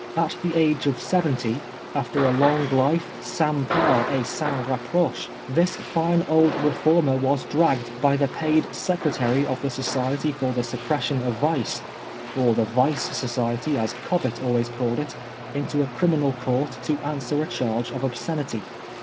At the age of seventy, after a long life sans pear et sans reprochey this fine old reformer was dragged by the paid Secretary of the Society for the Suppression of Vice (or the Vice Society as Cobbett always called it) into a criminal court to answer a charge of obscenity.